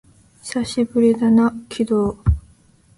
久しぶりだな、鬼道